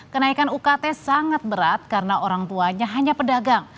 kenaikan ukt sangat berat karena orang tuanya hanya pedagang